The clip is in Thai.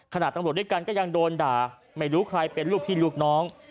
ตำรวจด้วยกันก็ยังโดนด่าไม่รู้ใครเป็นลูกพี่ลูกน้อง